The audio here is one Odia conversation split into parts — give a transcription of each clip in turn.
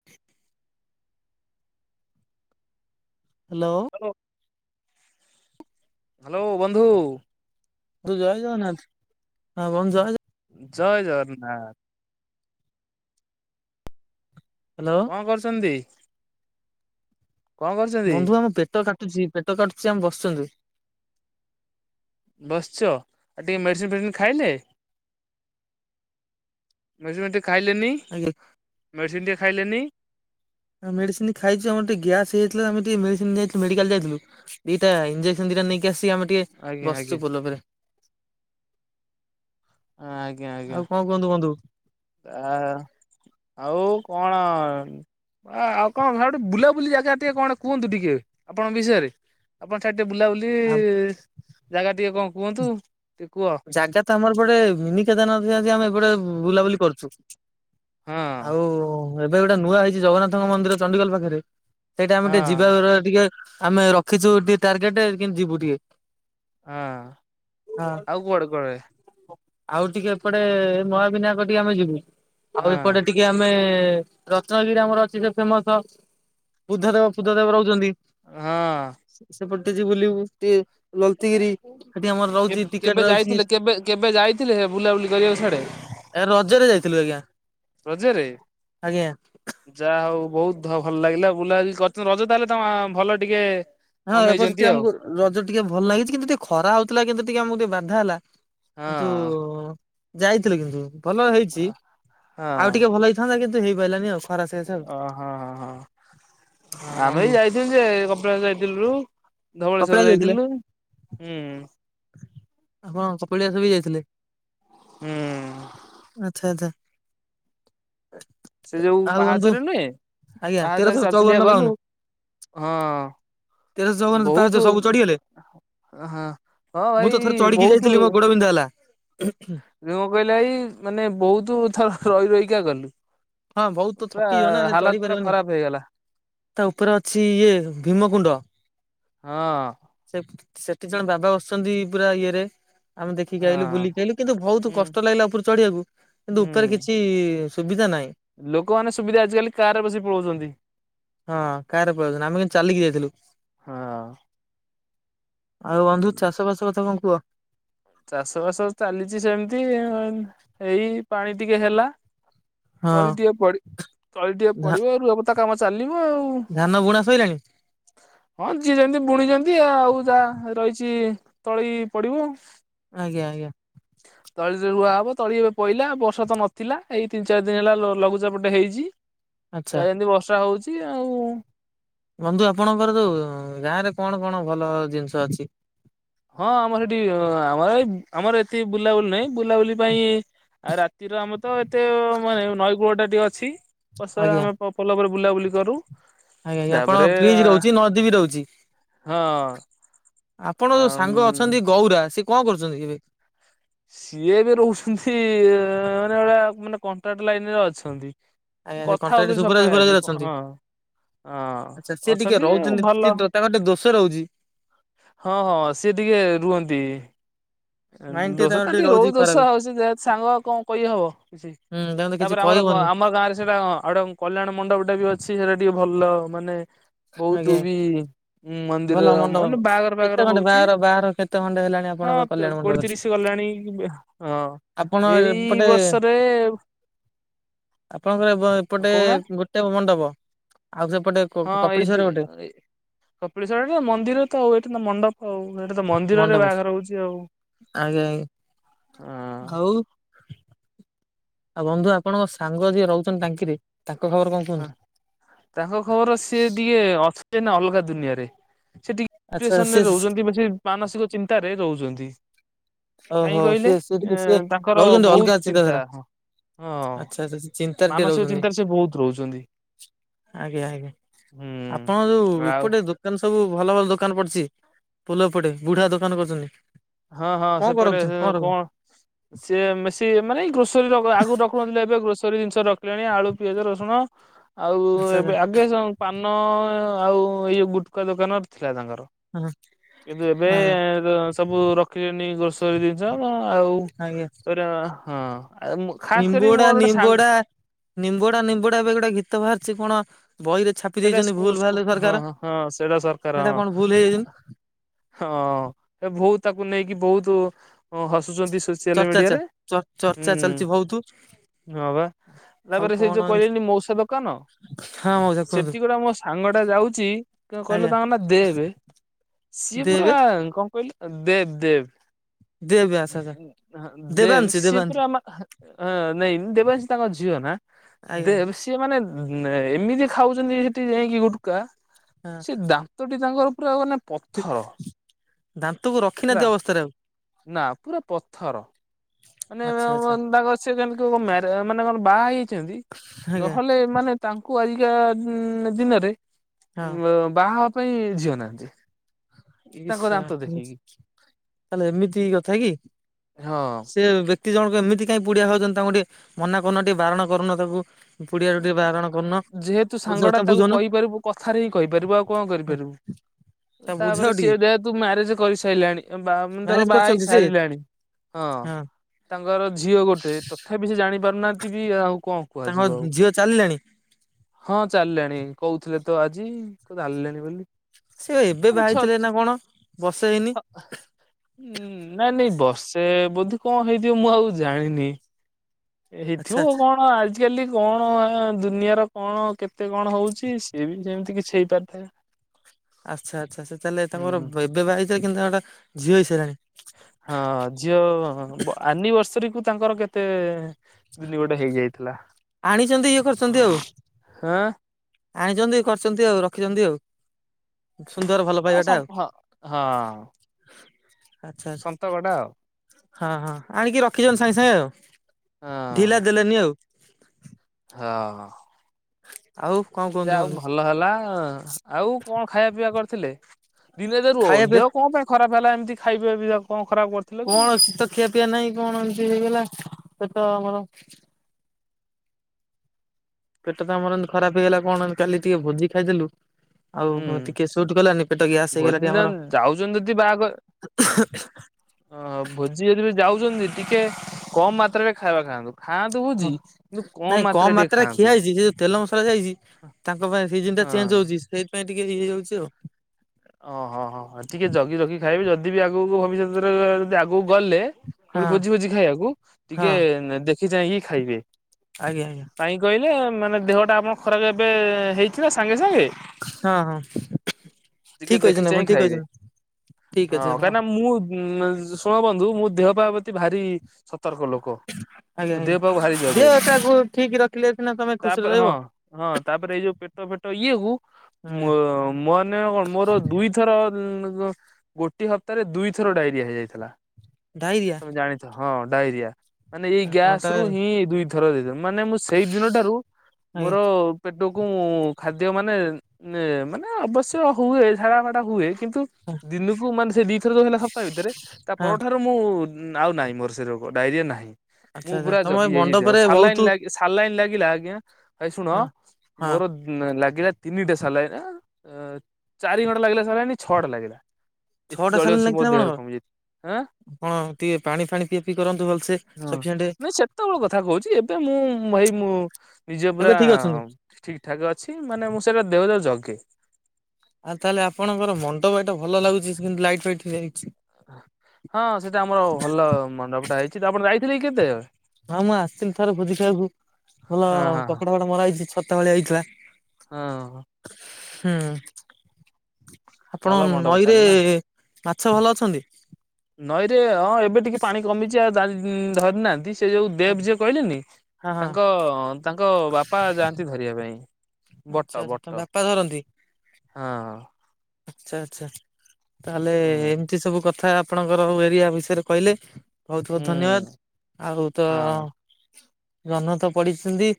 [inaudible] ହ୍ୟାଲୋ। ହ୍ୟଲୋ। ହ୍ୟାଲୋ ବନ୍ଧୁ। ବନ୍ଧୁ ଜୟ ଜଗନ୍ନାଥ ହଁ ବନ୍ଧୁ ଜୟ ଜୟ ଜଗନ୍ନାଥ। ହ୍ୟାଲୋ। କଣ କରୁଛନ୍ତି? କଣ କରୁଛନ୍ତି ବନ୍ଧୁ ଆମ ପେଟ କାଟୁଛି ପେଟ କାଟୁଛି ଆମେ ବସୁଛନ୍ତି। ବସିଛ ଆଉ ଟିକେ ମେଡ଼ିସିନ ଫେଡିସିନ ଖାଇଲେ। ମେଡିସିନ ଫେଡ଼ିଶିନ ଖାଇଲେନି। [unintelligible] ମେଡ଼ିସିନ ଟିକେ ଖାଇଲେନି? ଆ ମେଡିସିନ ଖାଇଛୁ ଆମର ଟିକେ ଗ୍ୟାସ୍ ହେଇଥିଲା ଆମେ ଟିକେ ମେଡିସିନ ଯଇଥିଲୁ ମେଡିକାଲ ଯାଇଥିଲୁ। ଦିଟା ଇଞ୍ଜେକ୍ସନ ଦିଟା ନେଇକି ଆସିକି ଆମେ ଆଜ୍ଞା ଟିକେ ଆଜ୍ଞା ବଛୁ ପୋଲ ଉପରେ। ହଁ, ଆଜ୍ଞା ଆଜ୍ଞା। ଆଉ କଣ କୁହନ୍ତୁ ବନ୍ଧୁ ଆ ଆଉ କଣ? ଆ ଆଉ କଣ ହାଡ଼ୁ ବୁଲାବୁଲି ଜାଗା ଟିକେ କଣ କୁହନ୍ତୁ ଟିକେ ଆପଣଙ୍କ ବିଷୟରେ? ଆପଣ ସେଠ ଟିକେ ବୁଲାବୁଲି ଆଉ ଜାଗା ଟିକେ କଣ କୁହନ୍ତୁ? ଟିକେ କୁହ। ଜାଗା ତ ଆମର ଗୋଟେ ମିନିିକେଦାରନାଥ ଯାନ୍ତେ ଆମେ ଏଟେ ବୁଲାବୁଲି କରୁଛୁ। ହଁ ଆଉ ଏବେ ଗୋଟେ ନୂଆ ହେଇଛି ଜଗନ୍ନାଥଙ୍କ ମନ୍ଦିର ଚଣ୍ଡିଖୋଲ ପାଖରେ। ସେଇଟା ଆମେ ହଁ ଟିକେ ଯିବାର ଟିକେ ଆମେ ରଖିଛୁ ଟିକେ ଟାର୍ଗେଟ କିନ୍ତ ଯିବୁ ଟିକେ। ହଁ ହଁ ଆଉ କୁଆଡେ କୁଆଡେ? ଆଉ ଟିକେ ଏପଟେ ମହାବିନାୟକ ଟିକେ ଆମେ ଯିବୁ ଆଉ ଏପଟେ ହଁ ଟିକ୍ କି ଆମେ ରତ୍ନଗିରି ଆମର ଅଛି ସେ ଫେମସ। ବୁଦ୍ଧ ଦେବ ଫୁଦ୍ଧ ଦେବ ରହୁଛନ୍ତି। ହଁ। ସେପଟେ ଟି ଯିବୁ ବୁଲିବୁ ଟିକେ ଲଲତିଗିରି। ସେଠି ଆମର ରହୁଛି କେବେ କେବେ ଟିକେଟ ରହୁଛି। ଯାଇଥିଲେ କେବେ କେବେ ଯାଇଥିଲେ ହେ ବୁଲାବୁଲି କରିବାକୁ ସାଡେ? ଏ ରଜରେ ଯାଇଥିଲୁ ଆଜ୍ଞା। ରଜରେ? ଆଜ୍ଞା। ଯାହା ହଉ ବହୁତ ଭଲ ଲାଗିଲା ବୁଲାବୁଲି କରି ରଜ ତାହେଲେ ତମ ଭଲ ଟିକେ ହଁ ଏବର୍ଷ ସେ ମନେଇଛନ୍ତି ଟିକେ ଆଉ ଆମକୁ ରଜ ଟିକେ ଭଲ ଲାଗିଛି କିନ୍ତୁ ଟିକେ ଖରା ହଉଥିଲା କିନ୍ତୁ ଟିକେ ଆମକୁ ଟିକେ ବାଧା ହେଲା। କିନ୍ତୁ ହଁ ଯାଇଥିଲୁ କିନ୍ତୁ। ଭଲ ହେଇଛି ହଁ ଆଉ ଟିକେ ଭଲ ହେଇଥାନ୍ତା କିନ୍ତୁ ହେଇପାରିଲାନି ଆଉ। ଖରା ସକାଶେ ଆଉ ଓହଁ ହଁ ହଁ। ହଁ ଆମେ ବନ୍ଧୁ ବି ଯାଇ୍ ଯେ ସେ କପିଳାସ ଯାଇଥିଲୁ ଧବଳେଶ୍ଵର କପିଳାସ ଯାଇଥିଲେ? ଯାଇଥିଲୁ। ହୁଁ। ଆପଣ କପିଳିଆସ ବି ଯାଇଥିଲେ? ହୁଁ। ଆଚ୍ଛା ଆଚ୍ଛା। ସେ ଯୋଉ ଆଉ ବନ୍ଧୁ ପାହାଚରେ ନୁହେଁ ଆଜ୍ଞା ପାହାଚରେ ତେରଶହ ଚଉବନ ଚାଲିଚାଲକା ବାଉନ ଗଲୁ ହଁ, ତେରଶହ ଚଉବନ ପାହାଚ ବହୁତ ସବୁ ଚଢିଗଲେ? ହଁ ମୁଁ ଭାଇ ତ ଥରେ ଚଢିକି ବହୁତ ଯାଇଥିଲି ମୋ ଗୋଡ ବିନ୍ଧା ହେଲା। ଯେ କଣ କହିଲେ ଭାଇ ମାନେ ବହୁତ ଥର ରହି ରହିକା ଗଲୁ। ହଁ ବହୁତ ତ ପୁରା ଥକିଯିବ ନା ସେ ଚଢି ହାଲତ ପୁରା ପାରିବନି ଖରାପ ହେଇଗଲା। ତା ଉପରେ ଅଛି ଇଏ ଭୀମକୁୁଣ୍ଡ। ହଁ। ସେଠ୍ ସେଠି ଜଣେ ବାବା ବସୁଛନ୍ତି ପୁରା ଇଏ ରେ ଆମେ ଦେଖିକି ଆଇଲୁ ହଁ ବୁଲିକି ଆଇଲୁ କିନ୍ତୁ ବହୁତ ହୁଁ କଷ୍ଟ ଲାଗିଲା ଉପରେ ଚଢିବାକୁ। କିନ୍ତୁ ହୁଁ ଉପରେ କିଛି ସୁବିଧା ନାହିଁ। ଲୋକମାନେ ସୁବିଧା ଆଜିକାଲି କାର ରେ ବସି ପଳାଉଛନ୍ତି। ହଁ କାହାର ପଉଛନ୍ତି। ଆମେ କିନ୍ତୁ ଚାଲିକି ଯାଇଥିଲୁ। ହଁ ଆଉ ବନ୍ଧୁ ଚାଷବାସ କଥା କଣ କୁହ? ଚାଷ ବାସ ଚାଲିଛି ସେମିତି ଏଇ ପାଣି ଟିକେ ହେଲା। ହଁ ତଳି ଟିକେ ପଡି ତଳି ଟିକେ ଧା ପଡିବ ଆଉ ରୁହବତା କାମ ଚାଲିବ ଆଉ। ଧାନ ବୁଣା ଶଇଲାଣି? ହଁ ଯିଏଛନ୍ତି ବୁଣିଛନ୍ତି ଆଉ ଯାହା ରହିଛି ତଳି ପଡିବ। ଆଜ୍ଞା ଆଜ୍ଞା। ତଳିରେ ରୁଆହବ, ତଳି ଏବେ ପଇଲା, ବର୍ଷା ତ ନଥିଲା, ଏଇ ତିନି ଚାରି ଦିନି ହେଲା ଲ ଲଘୁଚାପଟେ ହେଇଚି। ଆଚ୍ଛା ଯାହା ଯେମିତି ବର୍ଷା ହଉଚି ଆଉ। ବନ୍ଧୁ ଆପଣଙ୍କର ଯୋଉ ଗାଁ ରେ କଣ କଣ ଭଲ ଜିନିଷ ଅଛି? ହଁ, ଆମର ହେଠି ଆମର ଏଇ ଆମର ଏତି ବୁଲାବୁଲି ନାହିଁ, ବୁଲାବୁଲି ପାଇଁ ଆଉ ରା ରାତି ରେ ଆମେ ତ, ଏତେ ମାନେ ନଈ କୂଳଟା ଟିକେ ଅଛି, ବସ ଆଜ୍ଞା ଆମେ ପୋଲ ପରେ ବୁଲାବୁଲି କରୁ। ଆଜ୍ଞା ଆପଣଙ୍କ ତାପରେ, ବ୍ରିଜ ରହୁଛି ନଦୀ ବି ରହୁଛି। ହଁ। ଆପଣ ଯୋଉ ଆମ୍ ସାଙ୍ଗ ଅଛନ୍ତି ଗୌରା, ସିଏ କଣ କରୁଚନ୍ତି କି ଏବେ? ସିଏ ଏବେ ରହୁଚନ୍ତି, ମାନେ ହେରା ମାନେ କଣ୍ଟ୍ରାକ୍ଟ ଲାଇନରେ ଅଛନ୍ତି। ଆଜ୍ଞା ମୁଁ ସେ କଥା କଣ୍ଟ୍ରାକ୍ଟ ହଉଥିଲି ସୁପରଭାଇଜର ସକାଳେ ଆଜି, ଫୁପରଭାଇଜର କଣ ଅଛନ୍ତି। ହଁ। ଆଚ୍ଛା ହଁ, ସିଏ ଟିକେ ଅଛନ୍ତି ରହୁଛନ୍ତି ଟିକେ ଭଲ ଦ- ତାଙ୍କର ଟିକେ ଦୋଷ ରହୁଛି। ହଁ ହଁ, ସିଏ ଟିକେ ରୁହନ୍ତି। ମାଇଣ୍ଡ ଦୋଷା ତାଙ୍କର ତ ଟିକେ ରହୁଛି ରହୁଚି ଦୋଷ, ଖରାପ। ଆଉ ସେ ଯେହେତୁ ସାଙ୍ଗ, ଆଉ କଣ କହିହବ କିଛି? ହୁଁ ତାଙ୍କୁ ତ କିଛି ତାପରେ ଆମର, କହିବନି ଆମ ଗାଁରେ ସେଟା କଣ ଅଡଙ୍ଗ। କଲ୍ୟାଣ ମଣ୍ଡପ ଟା ବି ଅଛି, ସେଇଟା ଟିକେ ଭଲ, ମାନେ ବହୁତ ଆଜ୍ଞା ବି ଉଁ ମନ୍ଦିର, ଭଲ ମଣ୍ଡପ ମାନେ ବାହାଘର କେତେ ବାହାଘର ଖଣ୍ଡେ ହଉଚି, ବାହାଘର କେତେ ଖଣ୍ଡେ ହେଲାଣି ହଁ। ଆପଣଙ୍କ କଲ୍ୟାଣ ମଣ୍ଡପରେ? କୋଡିତିରିଶି ଗଲାଣି, ହଁ ଆପଣ ଏଇ ଏପଟେ ବର୍ଷରେ ଆପଣଙ୍କର ଏପ ଏପଟେ କହୁନା ଗୋଟେ ମଣ୍ଡପ, ଆଉ ସେପଟେ କପି କପିଳେଶ୍ୱର ଗୋଟେ କପିଳେଶ୍ୱର [unintelligible] ମନ୍ଦିର ତ, ଆ ଏଇଟା ତ ମଣ୍ଡପ। ହଉ ସେଇଟା ତ ମନ୍ଦିରରେ ମଣ୍ଡପ ବାହାଘର ହଉଚି ଆଉ, ଆଜ୍ଞା ଆଜ୍ଞା। ହଁ। ହଉ ଆଉ ବନ୍ଧୁ ଆପଣଙ୍କ ସାଙ୍ଗ ଯିଏ ରହୁଚନ୍ତି ଟାଙ୍କିରେ, ତାଙ୍କ ଖବର କଣ? ହ କୁହନ୍ତୁ? ତାଙ୍କ ଖବର ସିଏ ଟିକେ ଅଛି ଯେ ନା ଅଲଗା ଦୁନିଆରେ, ସେ ଟିକେ ଆଚ୍ଛା ଡିପ୍ରେସନରେ ସେ ରହୁଚନ୍ତି, କି ସେ ମାନସିକ ଚିନ୍ତାରେ ରହୁଚନ୍ତି। ଓହୋ, ସିଏ ସେ ଟିକେ ସିଏ ଲହୁଚନ୍ତି ବହୁତ ଅଲଗା ଚିନ୍ତା ଚିନ୍ତାଧାରା। ହଁ ଆଛା, ସେ ଚିନ୍ତାରେ ଟିକେ ମାନସିକ ରହୁଚନ୍ତି। ଚିନ୍ତାରେ ସେ ବହୁତ ରହୁଛନ୍ତି। ଆଜ୍ଞା ଆଜ୍ଞା, ଆପଣ ଯୋଉ ହୁଁ ଆଉ ଏପଟେ ଦୋକାନ ସବୁ ଭଲ ଭଲ ଦୋକାନ ପଡିଚି, ପୋଲ ଏ ପଟେ, ବୁଢା ଦୋକାନ କରୁଚନ୍ତି। ହଁ ହଁ, ସେପଟେ ସେ କଣ ସିଏ, ବେଶି ମାନେ ଏଇ ଗ୍ରୋସରୀ ଆଗରୁ ରଖୁନଥିଲେ, ଏବେ ଗ୍ରୋସରୀ ଜିନିଷ ରଖିଲାଣି, ଆଳୁ ପିଆଜ ରସୁଣ। ଆଉ ଆଚ୍ଛା ଆଚ୍ଛା ଏବେ ଆଗେ [unintelligible] ପାନ ଆଉ ଏଇ ଯଉ ଗୁଟକା ଦୋକାନ ଥିଲା ତାଙ୍କର। ହଁ ହଁ କିନ୍ତୁ ଏବେ ସବୁ ରଖିଚନି ଗ୍ରୋସରି ଜିନିଷ ଆଉ, ଆଜ୍ଞା [unintelligible] ହଁ, ଖାସ କରି ମୋର ଗୋଟେ ସାଙ୍ଗ ନିମ୍ବଡା ନିମ୍ବଡା ଏବେ ଗୋଟେ ଗୀତ ବାହାରିଛି କଣ ବହିରେ ଛାପି ସେଇଟା ଦେଇଛନ୍ତି ସ୍କୁ ଭୁଲ ଭାଲ ସ୍କୁ, ହଁ ସରକାର ହଁ ସେଇଟା ସରକାର ସେଇଟା କଣ ଭୁଲ ହଁ ହେଇଯାଇଛନ୍ତି ହଁ, ଏ ବୋହୁତ ତାକୁ ନେଇକି ବହୁତ ହସୁଚନ୍ତି, ସୋ ଚର୍ଚ୍ଚା ଚା ଚର୍ଚ୍ଚା ଚାଲିଚି ବହୁତ ହଁ ବା, ଆଉ ତାପରେ ସେ କଣ ଯୋଉ ଏମିତି କହିଲେନି ମଉସା ଦୋକାନ ହଁ ମଉସା କୁହନ୍ତୁ ସେଠି ଗୋଟା ମୋ ସାଙ୍ଗ ଟା ଯାଉଚି, କ କହିଲେ ଆଜ୍ଞା ତାଙ୍କ ନା ଦେବେ ସିଏ ଦେ ପୁରା ଏବେ କଣ କହିଲ ଦେବ୍ ଦେବ୍। ଦେବ୍, ଆଛା ଆଛା। ଦେବ୍ ସିଏ ପୁରା, ଆମ ନାଇଁନି ଦେବଂଶୀ ତାଙ୍କ ଝିଅ ନା। ଆଜ୍ଞା ଦେବ୍, ଆଜ୍ଞା ସିଏ ମାନେ ଏମିତି ଖାଉଚନ୍ତି ସେଠି ଯାଇକି ଗୁଟକା, ହଁ। ସିଏ ଦା ଦାନ୍ତଟି ତାଙ୍କର ପୁରା ମାନେ ପଥର ଦାନ୍ତକୁ ହେଲା ରଖିନାହାନ୍ତି ଅବସ୍ଥାରେ ଆଉ ନା ପୁରା ପଥର। ମାନେ ଆଚ୍ଛା ଆଚ୍ଛା ତାଙ୍କ ସେ ଯେମିତି ମାନେ କଣ ବାହା ହେଇଛନ୍ତି ଆଜ୍ଞା ନହେଲେ ମାନେ ତାଙ୍କୁ ଆଜିକା ଦିନରେ ହଁ ବାହା ହେବା ପାଇଁ ଝିଅ ନାହାନ୍ତି। ଏ ତାଙ୍କ ଦାନ୍ତ ସଳା ଦେଖିକି ତାହାଲେ ଏମିତି କଥା କି ହଁ। ସେ ବ୍ୟାକ୍ତି ଜଣଙ୍କ ଏମିତି କାଇଁ ପୁଡିଆ ହଉଛନ୍ତି ତାଙ୍କୁ ଟିକେ ମନା କରୁନ ଟିକେ ବାରଣ କରୁନ ତାକୁ ପୁଡିଆ ରୁ ଟିକେ ବାରଣ ଯେହେତୁ ସାଙ୍ଗଟା ତାକୁ କରୁନ କହିପାରିବୁ କଥାରେ ହିଁ କହିପାରିବୁ ଆଉ କଣ କରିପାରିବୁ ତାକୁ ତାପରେ ବୁଝାଅ ସିଏ ଟିକେ ଯେହେତୁ ମ୍ୟାରେଜ କରିସାରିଲାଣି ବାହା ବାହା ଧର ମ୍ୟାରେଜ ହେଇ କରିଛନ୍ତି ସେ ସାରିଲାଣି ହଁ ତାଙ୍କର ଝିଅ ଗୋଟେ ତଥାପି ସେ ଜାଣି ପାରୁନାହାନ୍ତି ବି ଆଉ କଣ ତାଙ୍କ କୁହାଯିବ ଆଉ ଝିଅ ଚାଲିଲେଣି? ହଁ ଚାଲିଲାଣି କହୁଥିଲେ ତ ଆଜି ଚାଲିଲେଣି ବୋଲି। ସିଏ ଏବେ ବାହାହେଇଥିଲେ ନା କଣ ବର୍ଷେ ହେଇନି? ଉଁ ନାଇଁ ନାଇଁ ବର୍ଷେ ବୋଧେ କଣ ହେଇଥିବ ମୁଁ ଆଉ ଜାଣିନି। ଆଚ୍ଛା ହେଇଥିବ ଆଚ୍ଛା କଣ ଆଜି ଆଜିକାଲି କଣ ଦୁନିଆର କଣ କେତେ କଣ ହଉଛି ସିଏ ବି ଯେମିତି କିଛି ହେଇପାରିଥାଏ। ଆଚ୍ଛା ଆଚ୍ଛା ସେ ତାହେଲେ ତାଙ୍କର ହୁଁ ଏବେ ବାହାହେଇଥିଲେ କିନ୍ତୁ ତାଙ୍କର ଝିଅ ହେଇ ସାରିଲାଣି। ହଁ ଝିଅ ଆନିଭର୍ସରୀ କୁ ତାଙ୍କର କେତେ? ଦିନି ଗୋଟେ ହେଇଯାଇଥିଲା ଆଣିଛନ୍ତି ଇଏ କରିଛନ୍ତି ଆଉ ହଁ [unintelligible] ଆଣିଛନ୍ତି କରିଛନ୍ତି ଆଉ ରଖିଛନ୍ତି ଆଉ ସୁନ୍ଦର ଭଲ ହଁ ପାଇବାଟା ସମ ଆଉ ହଁ ହଁ ଆଛା ଆଛା। ସନ୍ତକଟା ଆଉ। ହଁ ହଁ ଆଣିକି ରଖିଛନ୍ତି ସାଙ୍ଗେ ସାଙ୍ଗେ ଆଉ ଢିଲା ହଁ ଦେଲେନି ଆଉ ହଁ। ଆଉ କଣ? ଯେ କୁହନ୍ତୁ ଆଉ କୁହନ୍ତୁ। ଭଲ ହେଲା ଆଉ କଣ ଖାଇବା ପିଇବା କରିଥିଲେ ଦିନେ [unintelligible] ଦେ ରୁହ ଖାଇବା ଦେହ କଣ ପାଇଁ ଖରାପ ହେଲା ଏମିତି ଖାଇବା ବିଧ [unintelligible] କଣ ଖରାପ କରି କଣ କିଛି ତ ଖିଆ ପିଆ ନାହିଁ କଣ ଏମିତି ହେଇଗଲା ପେଟ ଆମର ପେଟ ତ ଆମର ଏମିତି ଖରାପ ହେଇଗଲା କଣ କାଲି ଟିକେ ଭୋଜି ଖାଇଦେଲୁ ଆଉ ହୁଁ। ଟିକେ ସୁଟ୍ କଲାନି ପେଟ ଗ୍ୟାସ୍ ହେଇଗଲା ଭୋଜି ଟିକେ ନା ଆମର। ଯାଉଛନ୍ତି ହଁ ଭୋଜି ଯଦି ବି ଯାଉଛନ୍ତି ଟିକେ କମ୍ ମାତ୍ରାରେ ଖାଇବା ଖାଆନ୍ତୁ। ଖାଆନ୍ତୁ ହ ଭୋଜି କିନ୍ତୁ ନାଇଁ କମ୍ ଟିକେ ମାତ୍ରାରେ ଖାଆନ୍ତୁ। ଖିଆ ହେଇଛି ସେ ଯୋଉ ତେଲ ମସଲା ଦିଆଯାଇଛି ତାଙ୍କ ପାଇଁ ସିଜନ୍‌ ଟା ଚେଞ୍ଜ ହଁ ହଉଛି ସେଇଥିପାଇଁ ଟିକେ ହେଇଯାଉଛି ଆଉ। ଓ ହଁ ହଁ ଟିକେ ଜଗି ରଖି କି ଖାଇବେ ଯଦି ବି ଆଗକୁ ଭବିଷ୍ୟତରେ ଯଦି ଆଗକୁ ଗଲେ ପୁଣି ହଁ ଭୋଜି ଭୋଜି ଖାଇବାକୁ ଟିକେ ହଁ ଦେଖି ଚାହିଁକି ଖାଇବେ। ଆଜ୍ଞା ଆଜ୍ଞା। କାହିଁକି କହିଲେ ମାନେ ଦେହଟା ଆପଣ ଖରାପ ଏବେ ହେଇଥିଲା ସାଙ୍ଗେ ସାଙ୍ଗେ। ହଁ ହଁ ଟିକେ ଠିକ୍ ଦେଖି କହିଛନ୍ତି ଚାହିଁ ଆପଣ ଠିକ୍ ଖାଇବେ। କହିଛନ୍ତି ଠିକ୍ ଅଛି ହଁ ଆପଣ। ଉଁ ଶୁଣ ବନ୍ଧୁ ମୁଁ ଦେହ ପା ପ୍ରତି ଭାରି ସତର୍କ ଲୋକ ଆଜ୍ଞା ଦେହ ଆଜ୍ଞା। ପାହା କୁ ଭାରି ଜଗେ ଦେହ ଟାକୁ ଠିକ୍ ରଖିଲେ ସିନା ତମେ ଖୁସିରେ ତାପରେ ରହିବ ହଁ ହଁ ତାପରେ ଏଇ ଯୋଉ ପେଟ ଫେଟ ଇଏ କୁ ମୁଁ ମାନେ କଣ ମୋର ଦୁଇଥର ଗୋଟିଏ ହପ୍ତାହରେ ଦୁଇଥର ଡାଇରିଆ ହେଇଯାଇଥିଲା। ଡାଇରିଆ। ଜାଣିଛ ହଁ ଡାଇରିଆ ମାନେ ଏଇ ତମେ ଗ୍ୟାସ ରୁ ତାହେଲେ ହିଁ ଦୁଇ ଥର ଦେଇଦ ମାନେ ମୁଁ ସେଇ ଦିନ ଠାରୁ ଆଜ୍ଞା ମୋର ପେଟକୁ ଖାଦ୍ୟ ମାନେ- ଏ-ମାନେ ଅବଶ୍ୟ ହୁଏ ଝାଡ଼ା ଫାଡା ହୁଏ କିନ୍ତୁ ହଁ ଦିନକୁ ମାନେ ସେ ଦି ଥର ଯଉ ହେଲା ସପ୍ତାହ ଭିତରେ ତା ପରଠାରୁ ମୁଁ ଆଉ ନାହିଁ ମୋର ସେ ରୋଗ ଡାଇରିଆ ନାହିଁ। ଆଚ୍ଛା ମୁଁ ଆଚ୍ଛା ପୁରା ତମ ଏ ଜଗି ଯାଇଚି ମଣ୍ଡପରେ ସାଲାଇନ୍ ବହୁତୁ ସ- ସାଲାଇନ୍ ଲାଗିଲା ଆଜ୍ଞା ଏ ଶୁଣ ହଁ। ହଁ ମୋର ଲାଗିଲା ତିନିଟା ସାଲାଇନ୍ ନା ଚାରି ଘଣ୍ଟା ଲାଗିଲା ସାଲାଇନ୍ ଛଅଟା ଲାଗିଲା। ଏତେ ଜଳୀୟ ଅଂଶ ମୋ ଦେହରେ କମିଯାଇଥିଲା। ଆପଣ ଟିକେ ପାଣି ଫାଣି ପିଆ ପିଇ କରନ୍ତୁ ଭଲସେ ସଫିସେଣ୍ଟେ। ସେତବେଳେ କଥା କହୁଚି ଏବେ ମୁଁ ହେଇ ମୁଁ ନିଜେ ପୁରା ଏବେ ଠିକ୍ ଅଛନ୍ତି। ଠିକ୍ ଠାକ୍ ଅଛି ମାନେ ମୁଁ ସେଇଟା ଦେହ [unintelligible] ଜଗେ। ଆଉ ତାହେଲେ ଆପଣଙ୍କର ମଣ୍ଡପ ଏଟା ଭଲ ଲାଗୁଚି କିନ୍ତୁ ଲାଇଟ୍ ଫାଇଟ୍ ହେଇଯାଇଚି। ହଁ ସେଟା ଆମର ଭଲ ମଣ୍ଡପ ଟା ହେଇଚି ତ ଆପଣ ଯାଇଥିଲେ କି କେତେବେଳେ? ହଁ ମୁଁ ଆସିଥିଲି ଥରେ ଭୋଜି ଖାଇବାକୁ ଭଲ ହଁ ହଁ କପଡା ଫପଡା ମରା ହେଇଚି ଛତା ଭଳିଆ ହେଇଥିଲା। ହଁ। ହୁଁ ଭଲ ଆପଣ ମଣ୍ଡପ ନଈରେ ଚାଲେ ନା ମାଛ ଭଲ ଅଛନ୍ତି? ନଈରେ ହଁ ଏବେ ଟିକେ ପାଣି କମିଚି ଆଉ [unintelligible] ଧରି ନାହାନ୍ତି। ସେ ଯଉ ଦେବ୍ ଯିଏ କହିଲେନି ହଁ ହଁ ତାଙ୍କ- ତାଙ୍କ ବାପା ଯାଆନ୍ତି ଧରିବା ପାଇଁ। ଆଚ୍ଛା ବଟ ଆଚ୍ଛା ତମ ବଟ ବାପା ଧରନ୍ତି ହଁ। ଆଚ୍ଛା ଆଚ୍ଛା। ତାହେଲେ ହୁଁ ଏମିତି ସବୁ କଥା ଆପଣଙ୍କର ଏରିଆ ବିଷୟରେ କହିଲେ? ବହୁତ୍ ହୁଁ ବହୁତ୍ ଧନ୍ୟବାଦ୍ ଆଉ ତ ହଁ। ଜହ୍ନ ତ ପଡିଛିନ୍ତି।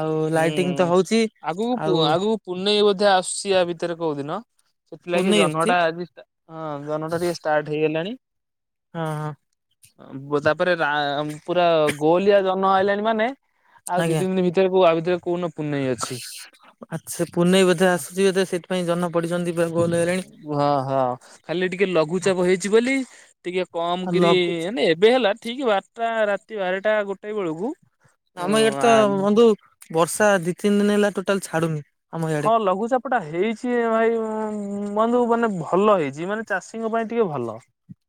ଆଉ ଲାଇଟିଂ ତ ହଉଚି ଆଉ ପୁନେଇଁ ବୋଧେ ଆସୁଚି ୟା ଭିତରେ କଉ ଦିନ ସେଥିଲାଗି ପୁନେଇ ଆସୁଛି ଜହ୍ନଟା ଆଜି ହଁ ଜହ୍ନ ଟା ଟିକେ ଷ୍ଟାର୍ଟ ହେଇଗଲାଣି। ହଁ। ଓ ତାପରେ ରା- ପୁରା ଗୋଲିଆ ଜହ୍ନ ଆଇଲାଣି ମାନେ ଆଉ ଦି ଆଜ୍ଞା। ତିନି ଦିନ ଭିତରେ କଉ ଆଁ ଭିତରେ କଉଦିନ ପୁନେଇଁ ଅଛି। ଆଚ୍ଛା ପୁନେଇଁ ବୋଧେ ଆସୁଚି ବୋଧେ ସେଥିପାଇଁ ଜହ୍ନ ପଡିଚନ୍ତି। ପୁରା ଗୋଲ୍ ହେଲେଣି। ୱ ହ ଖାଲି ଟିକେ ଲଘୁଚାପ ହେଇଚି ବୋଲି ଟିକେ କମ୍ ଆଉ କିରି ଲଗୁ ମାନେ ଏବେ ହେଲା ଠିକ୍ ବାରଟା ରାତି ବାରଟା ଗୋଟେ ବେଳକୁ ଅ ଆମ ଇଆଡେ ତ ବନ୍ଧୁ ବର୍ଷା ଦି ତିନି ଦିନ ହେଲା ଟୋଟାଲ୍ ଛାଡୁନି। ଆମ ଇଆଡେ। ହଁ ଲଘୁଚାପ ଟା ହେଇଚି ଭାଇ ବନ୍ଧୁ ମାନେ ଭଲ ହେଇଚି। ଯିଏ ମାନେ ଚାଷୀଙ୍କ ପାଇଁ ଟିକେ ଭଲ।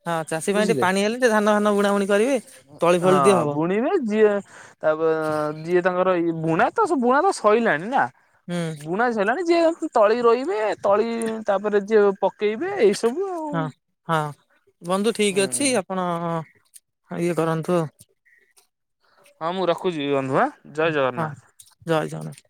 ହଁ ଚାଷୀ ପାଇଁ ଟିକେ ବୁଝିଲେ। ପାଣି ହେଲେ ଟିକେ ଧାନ ଫାନ ବୁଣା ବୁଣି କରିବେ ତଳି ଫଳି ଦିଏ ହବ। [unintelligible] ତାପରେ ଯିଏ ତାଙ୍କର ଏଇ ବୁଣା ତ ବୁଣା ତ ସଇଲାଣି ନା। ହୁଁ ବୁଣା ସଇଲାଣି ଯିଏ ତଳି ରୋଇବେ ତଳି ତାପରେ ଯିଏ ପକେଇବେ ଏଇସବୁ ହଁ -ହଁ ବନ୍ଧୁ ଠିକ୍ ହୁଁ ଅଛି ଆପଣ ଇଏ ଧରନ୍ତୁ ଆଉ। ହଁ ମୁଁ ରଖୁଚି ବନ୍ଧୁ ଆଁ। ଜୟ ଜଗନ୍ନାଥ। ହଁ-ଜୟ ଜଗନ୍ନାଥ୍।